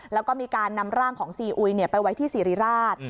แล้วก็มีการนำร่างของซีอุยไปไว้ที่สิริราช